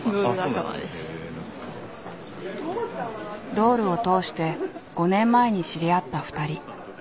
ドールを通して５年前に知り合った２人。